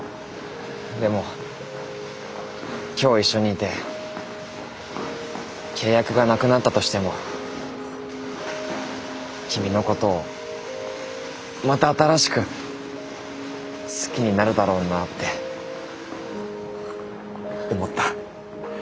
でも今日一緒にいて契約がなくなったとしても君のことをまた新しく好きになるだろうなって思った。